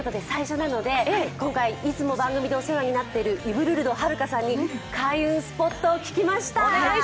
最初なので、今回いつも番組でお世話になっているイヴルルド遙華さんに開運スポットを聞きました。